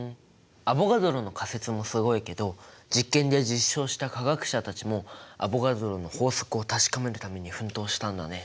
アボガドロの仮説もすごいけど実験で実証した科学者たちもアボガドロの法則を確かめるために奮闘したんだね。